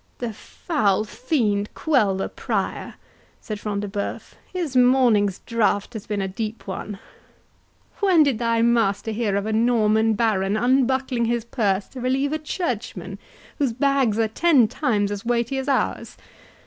"The foul fiend quell the Prior!" said Front de Bœuf; "his morning's drought has been a deep one. When did thy master hear of a Norman baron unbuckling his purse to relieve a churchman, whose bags are ten times as weighty as ours?